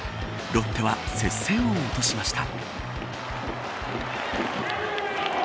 ロッテは接戦を落としました。